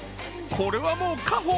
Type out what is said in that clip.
これはもう家宝。